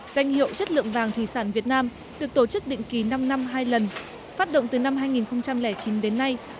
danh hiệu chất lượng vàng thủy sản việt nam được tổ chức định kỳ năm năm hai lần phát động từ năm hai nghìn chín đến nay